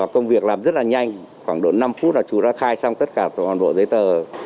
công việc làm rất là nhanh khoảng độ năm phút là chú đã khai xong tất cả toàn bộ giấy tờ